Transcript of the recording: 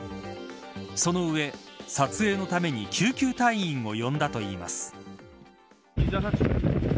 その上、撮影のために救急隊員を呼んだといいます。